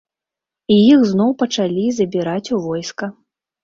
І іх зноў пачалі забіраць у войска.